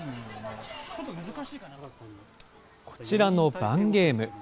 こちらの盤ゲーム。